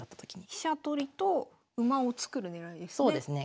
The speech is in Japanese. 飛車取りと馬を作る狙いですね。